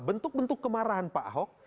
bentuk bentuk kemarahan pak ahok